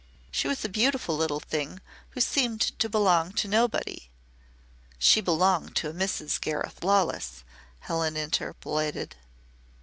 She was a beautiful little thing who seemed to belong to nobody " "She belonged to a Mrs. Gareth Lawless," Helen interpolated.